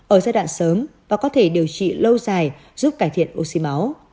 ở giai đoạn sớm và có thể điều trị lâu dài giúp cải thiện oxy máu